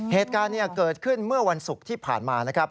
เหตุการณ์นี้เกิดขึ้นเมื่อวันศุกร์ที่ผ่านมานะครับ